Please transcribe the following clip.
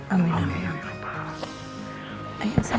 amin ya rabbal alamin